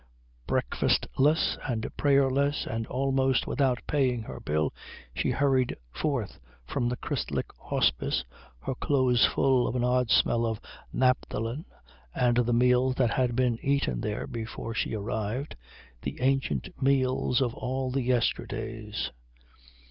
Breakfastless and prayerless and almost without paying her bill she hurried forth from the Christliche Hospiz, her clothes full of an odd smell of naphthalin and the meals that had been eaten there before she arrived, the ancient meals of all the yesterdays.